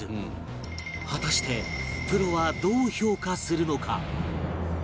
果たしてプロはどう評価するのか？